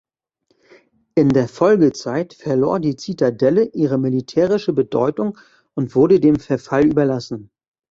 In der Folgezeit verlor die Zitadelle ihre militärische Bedeutung und wurde dem Verfall überlassen.